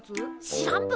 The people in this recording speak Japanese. しらんぷ！？